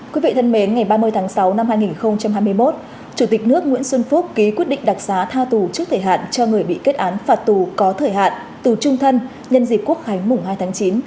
quý vị thân mến ngày ba mươi tháng sáu năm hai nghìn hai mươi một chủ tịch nước nguyễn xuân phúc ký quyết định đặc xá tha tù trước thời hạn cho người bị kết án phạt tù có thời hạn tù trung thân nhân dịp quốc khánh mùng hai tháng chín